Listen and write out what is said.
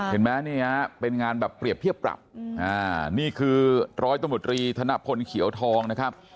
เห็นไหมเนี้ยเป็นงานแบบเปรียบเพียบปรับอืมอ่านี่คือร้อยต้นบุตรีธนพลเขียวทองนะครับ